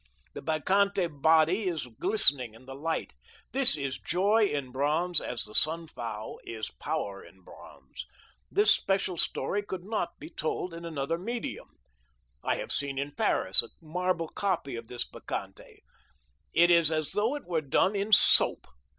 The bacchante body is glistening in the light. This is joy in bronze as the Sun Vow is power in bronze. This special story could not be told in another medium. I have seen in Paris a marble copy of this Bacchante. It is as though it were done in soap.